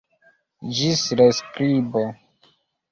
Ĝis reskribo!